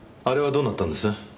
あれはどうなったんです？